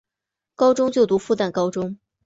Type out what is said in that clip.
高中就读复旦高中。